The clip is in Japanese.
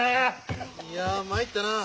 いや参ったなあ。